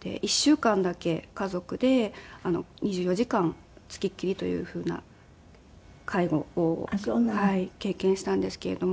１週間だけ家族で２４時間付きっきりというふうな介護を経験したんですけれども。